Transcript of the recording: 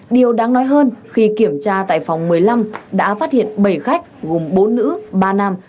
điều đáng nói hơn khi kiểm tra tại phòng một mươi năm đã phát hiện bảy khách gồm bốn nữ ba nam